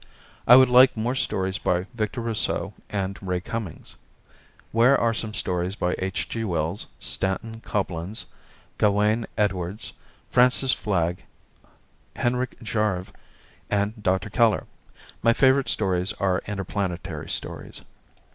I would like more stories by Victor Rousseau and Ray Cummings. Where are some stories by H. G. Wells, Stanton Coblens, Gawain Edwards, Francis Flagg, Henrik Jarve and Dr. Keller? My favorite stories are interplanetary stories.